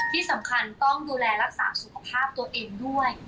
ที่สำคัญต้องดูแลรักษาสุขภาพตัวเองด้วย